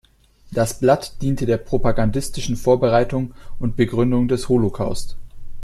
Das Blatt diente der propagandistischen Vorbereitung und Begründung des Holocaust.